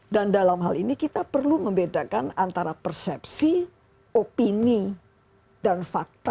dan dalam hal ini kita perlu membedakan antara persepsi opini dan fakta